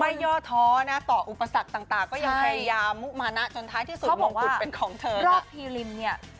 ย่อท้อนะต่ออุปสรรคต่างก็ยังพยายามมุมานะจนท้ายที่สุดมงกุฎเป็นของเธอเพราะพีริมเนี่ย